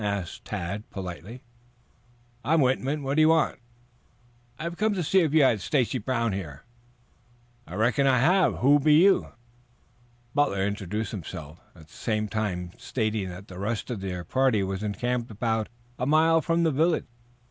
asked Tad politely. "I'm Whitman. What you want?" "I came to see if you had Stacy Brown here?" "I reckon I have. Who be you?" Butler introduced himself, at the same time stating that the rest of their party was encamped about a mile from the village.